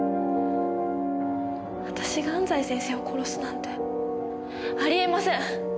私が安西先生を殺すなんてあり得ません。